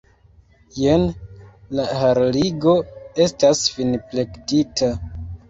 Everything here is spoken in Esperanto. Jen, la harligo estas finplektita!